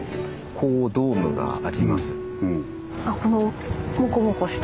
こうドームがあります。